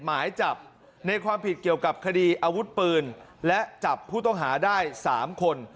หมายจับในความผิดเกี่ยวกับคดีอาวุธปืนและจับผู้ต้องหาได้๓คน